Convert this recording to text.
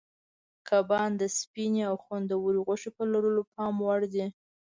کبان د سپینې او خوندورې غوښې په لرلو پام وړ دي.